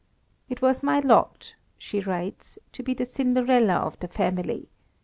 "It was my lot," she writes, "to be the Cinderella of the family....